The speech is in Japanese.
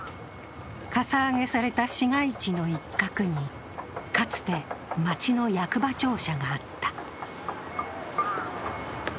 かさ上げされた市街地の一角に、かつて町の役場庁舎があった。